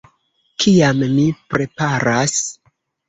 Kiam mi preparas